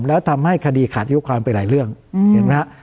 แล้วทำให้คดีขาดยุความไปหลายเรื่องเห็นไหมฮะ